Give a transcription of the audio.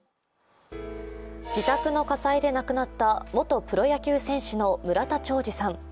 自宅の火災で亡くなった元プロ野球選手の村田兆治さん。